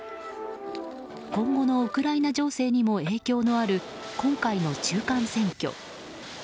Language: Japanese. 今後のウクライナ情勢にも影響のある今回の中間選挙。